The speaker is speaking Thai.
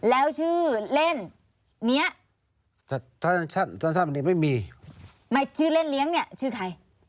แล้วชื่อเล่นเนี้ยไม่มีไม่ชื่อเล่นเลี้ยงเนี้ยชื่อใคร